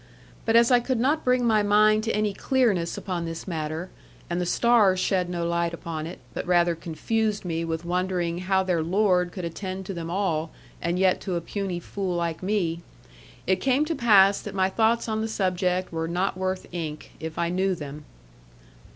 But as I could not bring my mind to any clearness upon this matter, and the stars shed no light upon it, but rather confused me with wondering how their Lord could attend to them all, and yet to a puny fool like me, it came to pass that my thoughts on the subject were not worth ink, if I knew them.